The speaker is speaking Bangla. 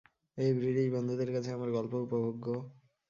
এই ব্রিটিশ বন্ধুদের কাছে আমার গল্প উপভোগ্য।